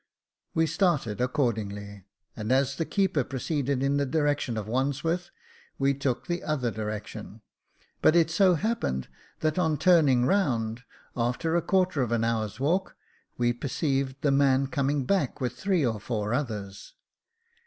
"We started accordingly, and as the keeper proceeded in the direction of Wandsworth, we took the other direction ; but it so happened, that on turning round, after a quarter of an hour's walk, we perceived the man coming back with three or four others.